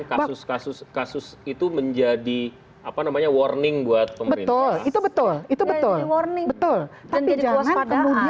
kasus kasus kasus itu menjadi apa namanya warning buat betul itu betul itu betul betul